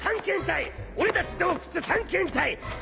俺たち洞窟探検隊！